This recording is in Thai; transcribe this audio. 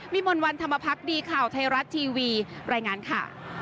วิมวลวันธรรมพักษ์ดีข่าวไทยรัตน์ทีวีรายงานค่ะ